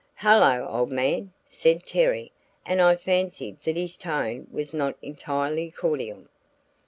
"Hello, old man!" said Terry and I fancied that his tone was not entirely cordial.